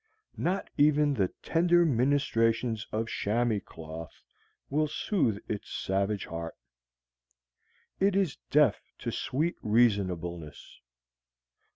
Not even the tender ministrations of chamois cloth will soothe its savage heart. It is deaf to sweet reasonableness.